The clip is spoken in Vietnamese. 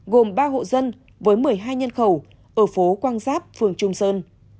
gồm ba hộ dân với một mươi hai nhân khẩu ở phố quang giáp phường trung sơn